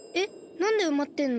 なんでうまってんの？